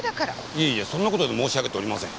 いやいやそんな事で申し上げておりません。